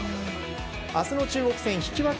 明日の中国戦引き分け